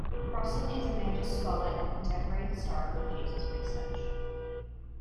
Crossan is a major scholar in contemporary historical Jesus research.